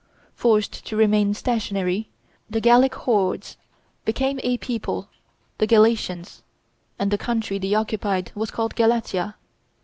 Forced to remain stationary, the Gallic hordes became a people, the Galatians, and the country they occupied was called Galatia.